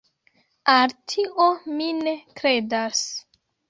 Al tio mi ne kredas.